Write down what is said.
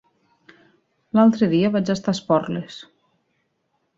L'altre dia vaig estar a Esporles.